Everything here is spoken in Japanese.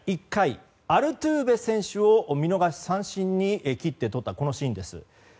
１回アルトゥーベ選手を見逃し三振に切って取ったシーンです